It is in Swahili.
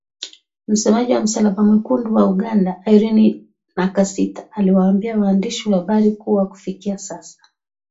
Msemaji wa Msalaba Mwekundu wa Uganda Irene Nakasita aliwaambia waandishi wa habari kuwa kufikia sasa